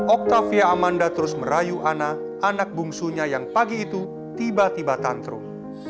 octavia amanda terus merayu ana anak bungsunya yang pagi itu tiba tiba tantrum